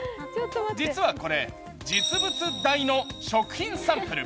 実はこれ、実物大の食品サンプル。